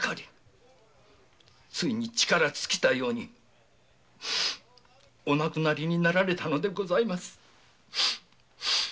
ついに力尽きたようにお亡くなりになられたのでございます。